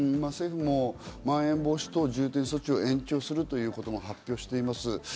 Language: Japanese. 政府もまん延防止等重点措置を延長するということも発表しています。